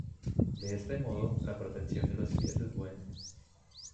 De este modo, la protección de los pies es buena.